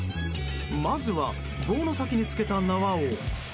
まずは、棒の先につけた縄を。